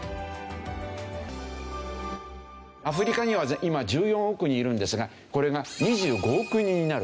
アフリカには今１４億人いるんですがこれが２５億人になる。